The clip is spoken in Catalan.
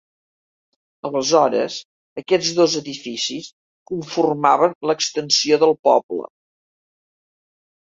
Aleshores, aquests dos edificis conformaven l'extensió del poble.